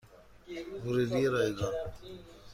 ورودی رایگان